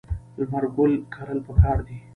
لمر ګل کرل پکار دي.